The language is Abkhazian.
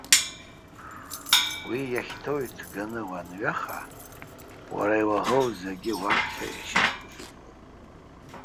Уи иахьҭоу иҭганы уанҩаха, уара иуаӷоу зегьы уаԥхьа ишьамхышгылоит.